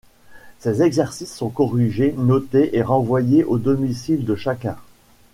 Ces exercices sont corrigés, notés et renvoyés au domicile de chacun.